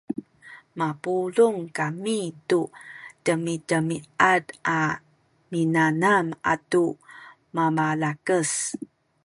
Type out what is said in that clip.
mapulung kami tu demidemiad a minanam atu mabalakas